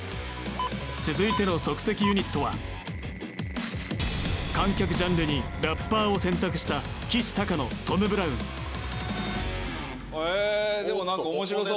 続いての即席ユニットは観客ジャンルにラッパーを選択したきしたかのトム・ブラウンへえでも何か面白そう